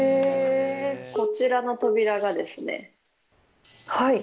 こちらの扉がですね。